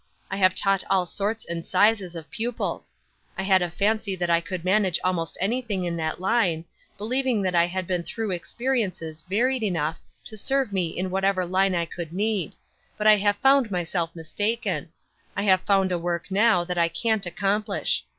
I have taught all sorts and sizes of pupils. I had a fancy that I could manage almost anything in that line, believing that I had been through experiences varied enough to serve me in whatever line I could need, but I have found myself mistaken; I have found a work now that I can't accomplish.